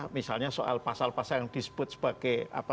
misalnya soal pasal pasal yang disebut sebagai